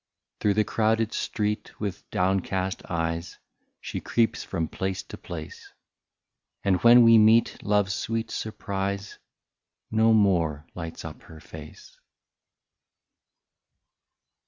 Through the crowded street with downcast eyes She creeps from place to place ; And when we meet, love's sweet surprise No more lights up her face.